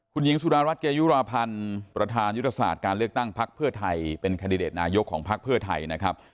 คุณหญิงสุดารัฐเกยุราพันธ์ประธานยุทธศาสตร์การเลือกตั้งพักเพื่อไทยเป็นคันดิเดตนายกของพักเพื่อไทยนะครับ